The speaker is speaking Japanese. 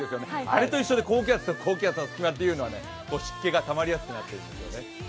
あれと同じで高気圧と高気圧の隙間は湿気がたまりやすくなっているんですよね。